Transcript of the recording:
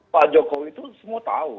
pak jokowi itu semua tahu